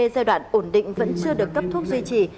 hai giai đoạn ổn định vẫn chưa được cấp thuốc duy trì